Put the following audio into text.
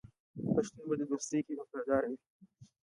پښتون په دوستۍ کې وفادار وي.